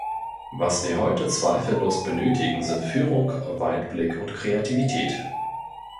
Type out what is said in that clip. Was wir heute zweifellos benötigen sind Führung, Weitblick und Kreativität.